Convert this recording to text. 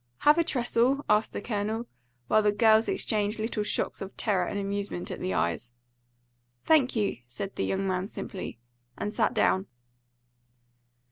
"Have a trestle?" asked the Colonel, while the girls exchanged little shocks of terror and amusement at the eyes. "Thank you," said the young man simply, and sat down.